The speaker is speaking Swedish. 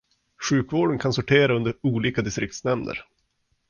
Sjukvården kan sortera under olika distriktsnämnder.